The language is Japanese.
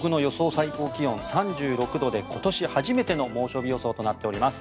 最高気温３６度で今年初めての猛暑日予想となっております。